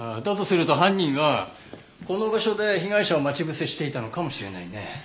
だとすると犯人はこの場所で被害者を待ち伏せしていたのかもしれないね。